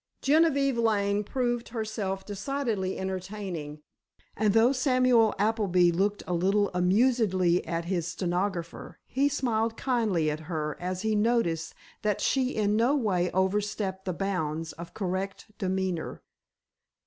Genevieve Lane proved herself decidedly entertaining, and though Samuel Appleby looked a little amusedly at his stenographer, he smiled kindly at her as he noticed that she in no way overstepped the bounds of correct demeanor.